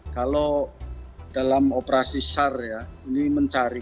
kalau dalam operasi sar ya ini mencari